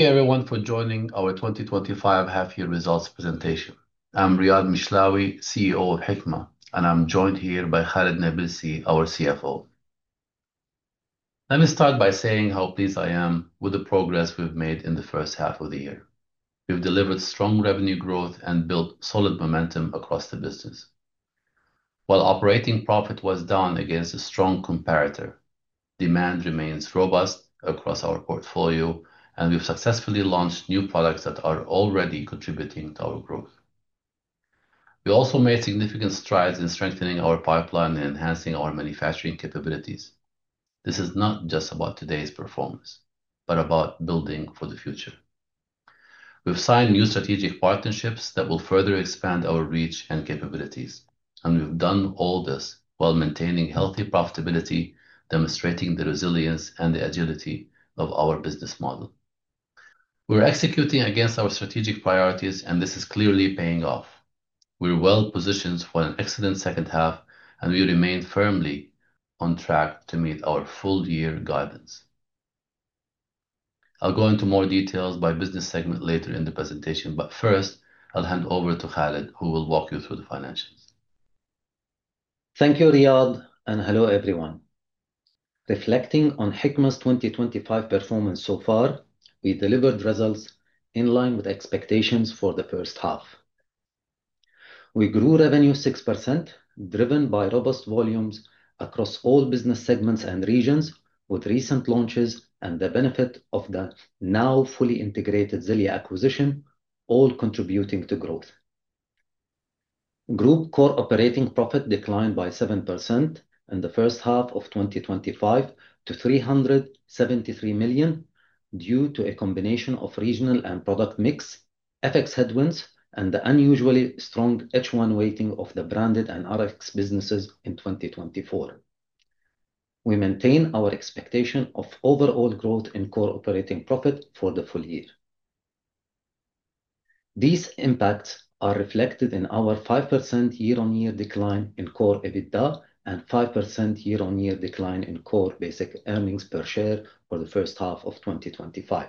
Hey everyone for joining our 2025 half-year results presentation. I'm Riad Mishlawi, CEO of Hikma, and I'm joined here by Khalid Nabilsi, our CFO. Let me start by saying how pleased I am with the progress we've made in the first half of the year. We've delivered strong revenue growth and built solid momentum across the business. While operating profit was down against a strong comparator, demand remains robust across our portfolio, and we've successfully launched new products that are already contributing to our growth. We also made significant strides in strengthening our pipeline and enhancing our manufacturing capabilities. This is not just about today's performance, but about building for the future. We've signed new strategic partnerships that will further expand our reach and capabilities, and we've done all this while maintaining healthy profitability, demonstrating the resilience and the agility of our business model. We're executing against our strategic priorities, and this is clearly paying off. We're well positioned for an excellent second half, and we remain firmly on track to meet our full year guidance. I'll go into more details by business segment later in the presentation, but first, I'll hand over to Khalid, who will walk you through the financials. Thank you, Riad, and hello everyone. Reflecting on Hikma's 2025 performance so far, we delivered results in line with expectations for the first half. We grew revenue 6%, driven by robust volumes across all business segments and regions, with recent launches and the benefit of the now fully integrated Xellia acquisition, all contributing to growth. Group core operating profit declined by 7% in the first half of 2025 to 373 million due to a combination of regional and product mix, FX headwinds, and the unusually strong H1 rating of the branded and RX businesses in 2024. We maintain our expectation of overall growth in core operating profit for the full year. These impacts are reflected in our 5% year-on-year decline in core EBITDA and 5% year-on-year decline in core basic earnings per share for the first half of 2025.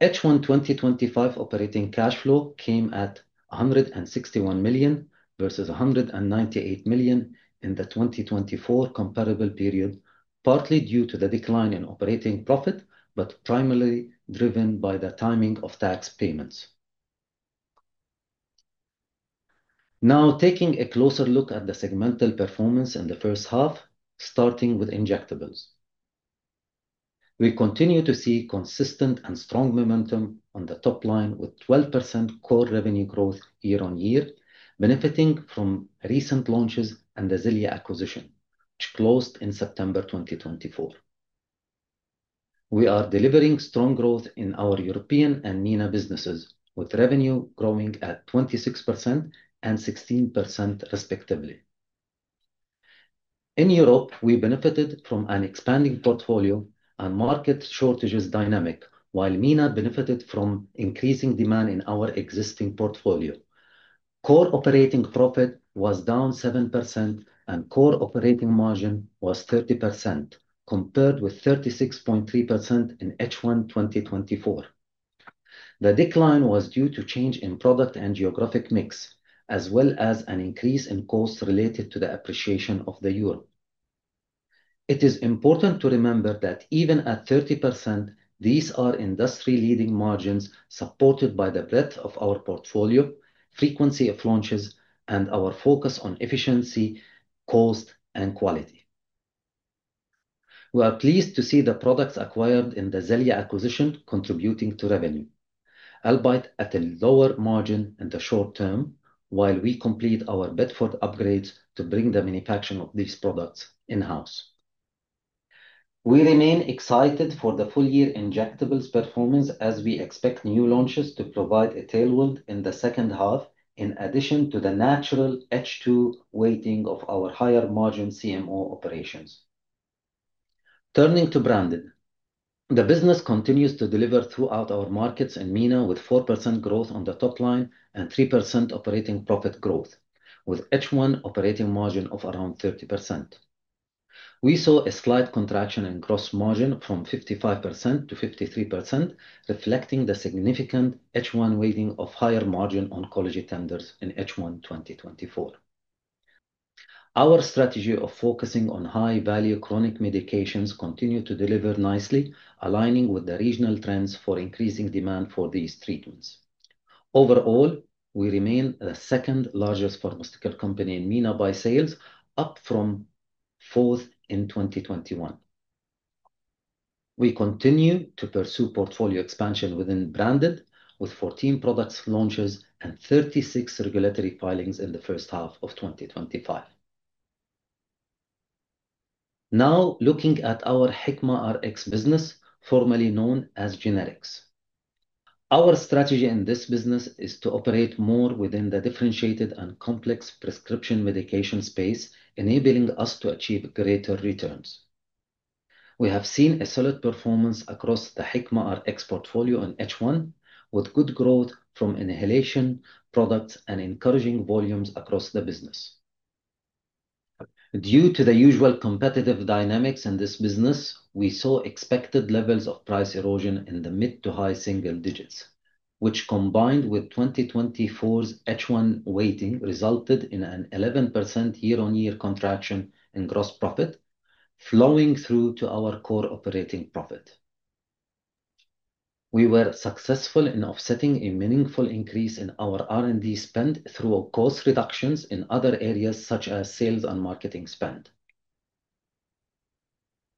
H1 2025 operating cash flow came at 161 million versus 198 million in the 2024 comparable period, partly due to the decline in operating profit, but primarily driven by the timing of tax payments. Now, taking a closer look at the segmental performance in the first half, starting with injectables. We continue to see consistent and strong momentum on the top line with 12% core revenue growth year-on-year, benefiting from recent launches and the Xellia acquisition, closed in September 2024. We are delivering strong growth in our European and MENA businesses, with revenue growing at 26% and 16% respectively. In Europe, we benefited from an expanding portfolio and market shortages dynamic, while MENA benefited from increasing demand in our existing portfolio. Core operating profit was down 7%, and core operating margin was 30%, compared with 36.3% in H1 2024. The decline was due to change in product and geographic mix, as well as an increase in costs related to the appreciation of the euro. It is important to remember that even at 30%, these are industry-leading margins supported by the breadth of our portfolio, frequency of launches, and our focus on efficiency, cost, and quality. We are pleased to see the products acquired in the Xellia acquisition contributing to revenue, albeit at a lower margin in the short term, while we complete our Bedford upgrades to bring the manufacturing of these products in-house. We remain excited for the full year injectables performance as we expect new launches to provide a tailwind in the second half, in addition to the natural H2 rating of our higher margin CMO operations. Turning to branded, the business continues to deliver throughout our markets in MENA with 4% growth on the top line and 3% operating profit growth, with H1 operating margin of around 30%. We saw a slight contraction in gross margin from 55% to 53%, reflecting the significant H1 rating of higher margin oncology tenders in H1 2024. Our strategy of focusing on high-value chronic medications continues to deliver nicely, aligning with the regional trends for increasing demand for these treatments. Overall, we remain the second largest pharmaceutical company in MENA by sales, up from the fourth in 2021. We continue to pursue portfolio expansion within branded, with 14 product launches and 36 regulatory filings in the first half of 2025. Now, looking at our Hikma RX business, formerly known as Generics, our strategy in this business is to operate more within the differentiated and complex prescription medication space, enabling us to achieve greater returns. We have seen a solid performance across the Hikma RX portfolio in H1, with good growth from inhalation products and encouraging volumes across the business. Due to the usual competitive dynamics in this business, we saw expected levels of price erosion in the mid to high single digits, which combined with 2024's H1 rating resulted in an 11% year-on-year contraction in gross profit, flowing through to our core operating profit. We were successful in offsetting a meaningful increase in our R&D spend through cost reductions in other areas such as sales and marketing spend.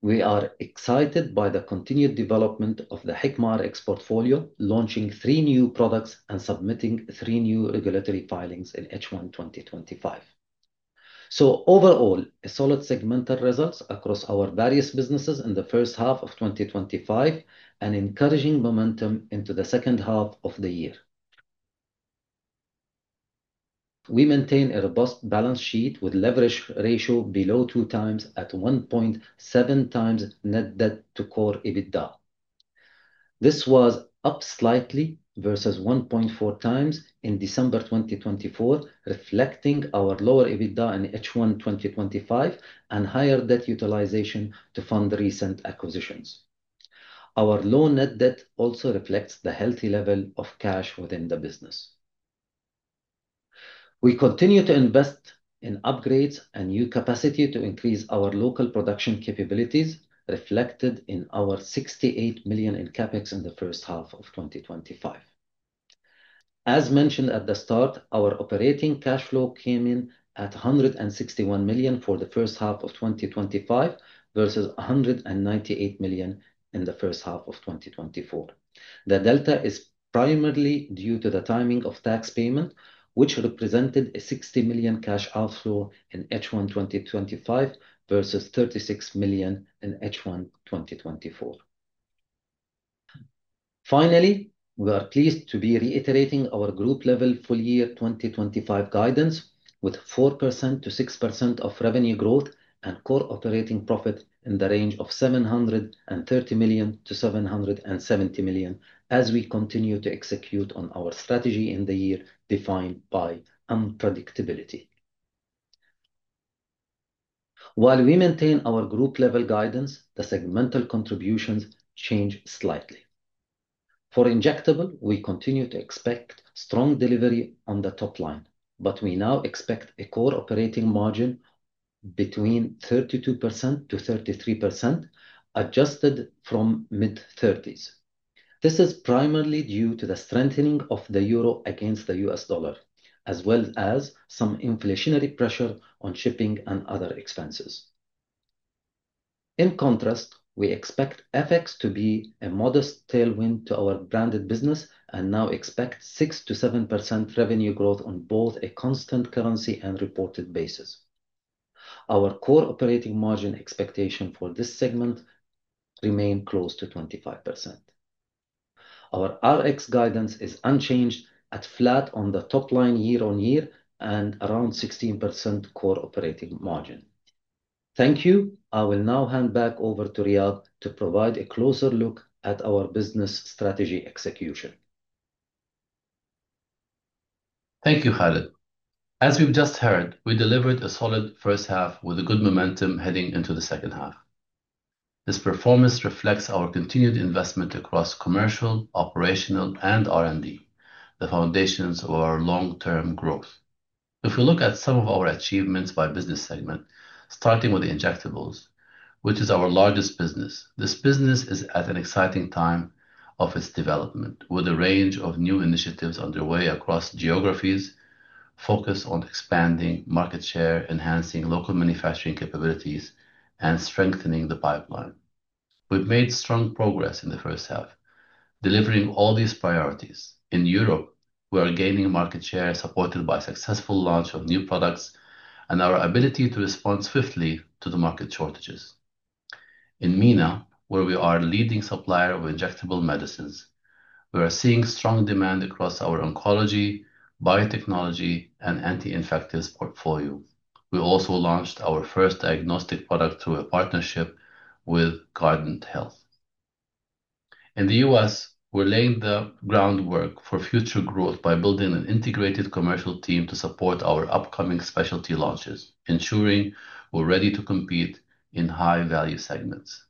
We are excited by the continued development of the Hikma RX portfolio, launching three new products and submitting three new regulatory filings in H1 2025. Overall, solid segmental results across our various businesses in the first half of 2025 and encouraging momentum into the second half of the year. We maintain a robust balance sheet with leverage ratio below 2x at 1.7x net debt to core EBITDA. This was up slightly versus 1.4x in December 2024, reflecting our lower EBITDA in H1 2025 and higher debt utilization to fund recent acquisitions. Our low net debt also reflects the healthy level of cash within the business. We continue to invest in upgrades and new capacity to increase our local production capabilities, reflected in our 68 million in CapEx in the first half of 2025. As mentioned at the start, our operating cash flow came in at 161 million for the first half of 2025 versus 198 million in the first half of 2024. The delta is primarily due to the timing of tax payment, which represented a 60 million cash outflow in H1 2025 versus 36 million in H1 2024. Finally, we are pleased to be reiterating our group level full year 2025 guidance with 4%-6% of revenue growth and core operating profit in the range of 730 million-770 million, as we continue to execute on our strategy in the year defined by unpredictability. While we maintain our group level guidance, the segmental contributions change slightly. For injectables, we continue to expect strong delivery on the top line, but we now expect a core operating margin between 32%-33%, adjusted from mid-30s%. This is primarily due to the strengthening of the euro against the US dollar, as well as some inflationary pressure on shipping and other expenses. In contrast, we expect FX to be a modest tailwind to our branded business and now expect 6%-7% revenue growth on both a constant currency and reported basis. Our core operating margin expectation for this segment remains close to 25%. Our RX guidance is unchanged at flat on the top line year-on-year and around 16% core operating margin. Thank you. I will now hand back over to Riad to provide a closer look at our business strategy execution. Thank you, Khalid. As we've just heard, we delivered a solid first half with good momentum heading into the second half. This performance reflects our continued investment across commercial, operational, and R&D, the foundations of our long-term growth. If we look at some of our achievements by business segment, starting with the injectables, which is our largest business, this business is at an exciting time of its development, with a range of new initiatives underway across geographies, focused on expanding market share, enhancing local manufacturing capabilities, and strengthening the pipeline. We've made strong progress in the first half, delivering all these priorities. In Europe, we are gaining market share supported by the successful launch of new products and our ability to respond swiftly to the market shortages. In MENA, where we are a leading supplier of injectable medicines, we are seeing strong demand across our oncology, biotechnology, and anti-infective portfolio. We also launched our first diagnostic product through a partnership with Guardant Health. In the U.S., we're laying the groundwork for future growth by building an integrated commercial team to support our upcoming specialty launches, ensuring we're ready to compete in high-value segments.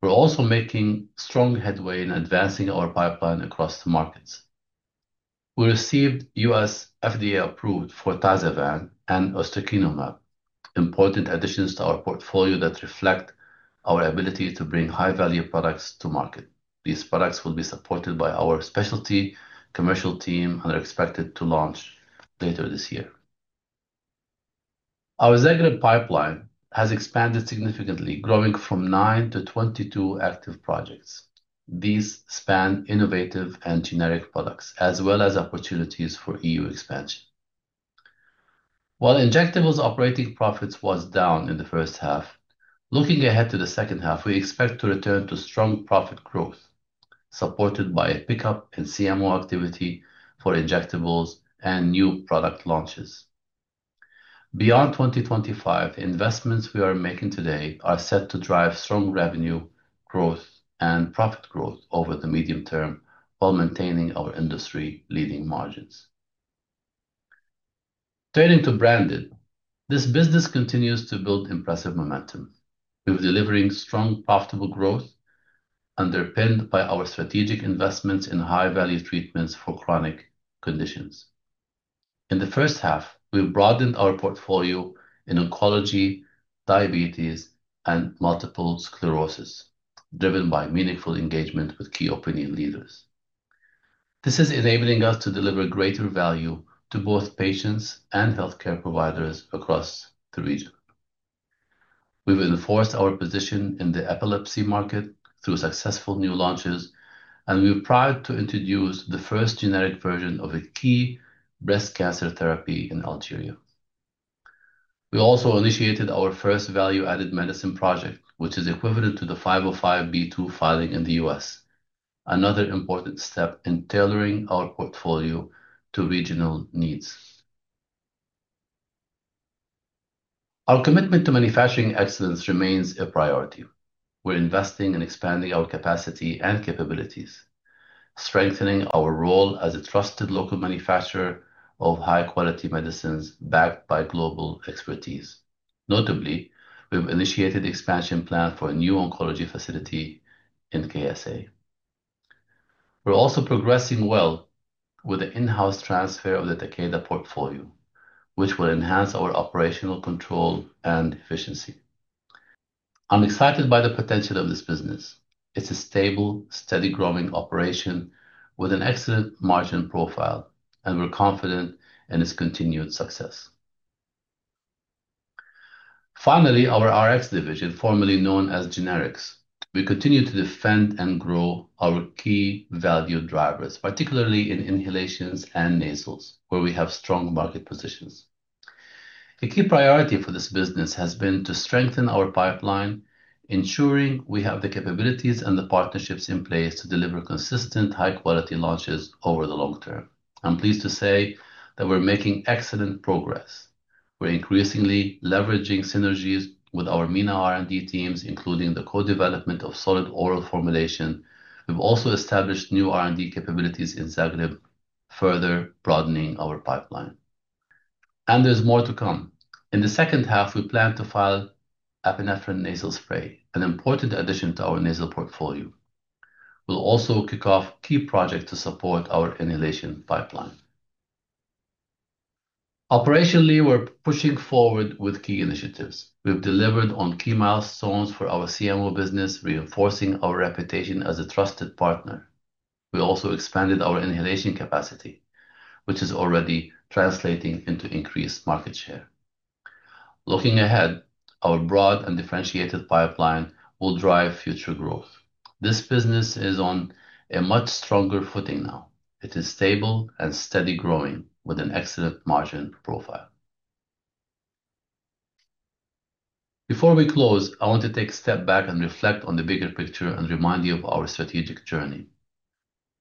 We're also making strong headway in advancing our pipeline across the markets. We received U.S. FDA-approved for TYZAVAN and ustekinumab, important additions to our portfolio that reflect our ability to bring high-value products to market. These products will be supported by our specialty commercial team and are expected to launch later this year. Our Zagreb pipeline has expanded significantly, growing from nine to 22 active projects. These span innovative and generic products, as well as opportunities for EU expansion. While injectables operating profits were down in the first half, looking ahead to the second half, we expect to return to strong profit growth, supported by a pickup in CMO activity for injectables and new product launches. Beyond 2025, the investments we are making today are set to drive strong revenue growth and profit growth over the medium term, while maintaining our industry-leading margins. Turning to branded, this business continues to build impressive momentum. We're delivering strong profitable growth underpinned by our strategic investments in high-value treatments for chronic conditions. In the first half, we've broadened our portfolio in oncology, diabetes, and multiple sclerosis, driven by meaningful engagement with key opinion leaders. This is enabling us to deliver greater value to both patients and healthcare providers across the region. We've enforced our position in the epilepsy market through successful new launches, and we're proud to introduce the first generic version of a key breast cancer therapy in Algeria. We also initiated our first value-added medicine project, which is equivalent to the 505(b)(2) filing in the U.S., another important step in tailoring our portfolio to regional needs. Our commitment to manufacturing excellence remains a priority. We're investing and expanding our capacity and capabilities, strengthening our role as a trusted local manufacturer of high-quality medicines backed by global expertise. Notably, we've initiated an expansion plan for a new oncology facility in KSA. We're also progressing well with the in-house transfer of the Takeda portfolio, which will enhance our operational control and efficiency. I'm excited by the potential of this business. It's a stable, steady growing operation with an excellent margin profile, and we're confident in its continued success. Finally, our RX division, formerly known as Generics, we continue to defend and grow our key value drivers, particularly in inhalations and nasals, where we have strong market positions. A key priority for this business has been to strengthen our pipeline, ensuring we have the capabilities and the partnerships in place to deliver consistent high-quality launches over the long term. I'm pleased to say that we're making excellent progress. We're increasingly leveraging synergies with our MENA R&D teams, including the co-development of solid oral formulation. We've also established new R&D capabilities in Zagreb, further broadening our pipeline. There is more to come. In the second half, we plan to file epinephrine nasal spray, an important addition to our nasal portfolio. We'll also kick off a key project to support our inhalation pipeline. Operationally, we're pushing forward with key initiatives. We've delivered on key milestones for our CMO business, reinforcing our reputation as a trusted partner. We also expanded our inhalation capacity, which is already translating into increased market share. Looking ahead, our broad and differentiated pipeline will drive future growth. This business is on a much stronger footing now. It is stable and steadily growing with an excellent margin profile. Before we close, I want to take a step back and reflect on the bigger picture and remind you of our strategic journey.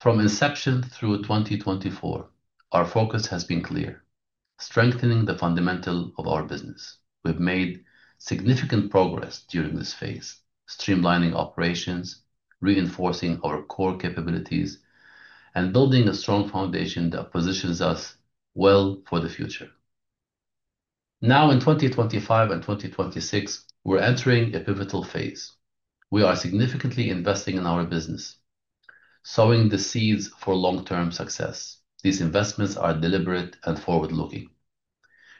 From inception through 2024, our focus has been clear: strengthening the fundamentals of our business. We've made significant progress during this phase, streamlining operations, reinforcing our core capabilities, and building a strong foundation that positions us well for the future. Now, in 2025 and 2026, we're entering a pivotal phase. We are significantly investing in our business, sowing the seeds for long-term success. These investments are deliberate and forward-looking,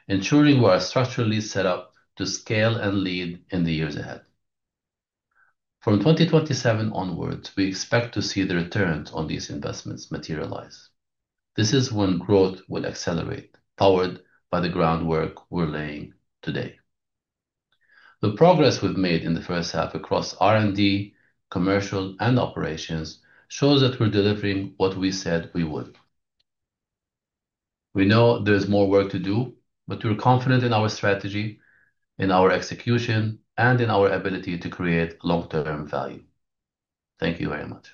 ensuring we are structurally set up to scale and lead in the years ahead. From 2027 onwards, we expect to see the returns on these investments materialize. This is when growth will accelerate, powered by the groundwork we're laying today. The progress we've made in the first half across R&D, commercial, and operations shows that we're delivering what we said we would. We know there's more work to do, but we're confident in our strategy, in our execution, and in our ability to create long-term value. Thank you very much.